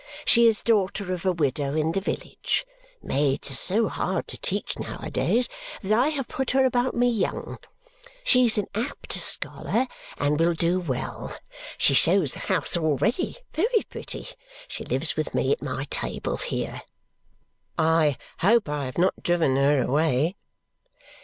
She is daughter of a widow in the village. Maids are so hard to teach, now a days, that I have put her about me young. She's an apt scholar and will do well. She shows the house already, very pretty. She lives with me at my table here." "I hope I have not driven her away?"